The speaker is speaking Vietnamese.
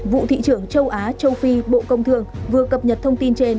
vụ thị trưởng châu á châu phi bộ công thương vừa cập nhật thông tin trên